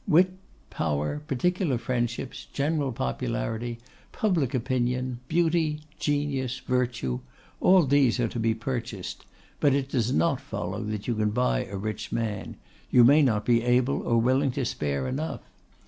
Wit, power, particular friendships, general popularity, public opinion, beauty, genius, virtue, all these are to be purchased; but it does not follow that you can buy a rich man: you may not be able or willing to spare enough.